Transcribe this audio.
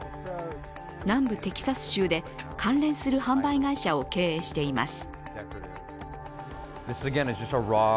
南部テキサス州で関連する販売会社を経営しています。